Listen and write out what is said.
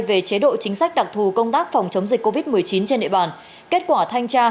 về chế độ chính sách đặc thù công tác phòng chống dịch covid một mươi chín trên địa bàn kết quả thanh tra